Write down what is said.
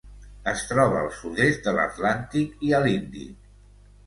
Es troba al sud-est de l'Atlàntic i a l'Índic.